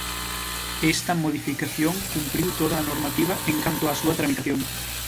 Esta modificación cumpriu toda a normativa en canto á súa tramitación.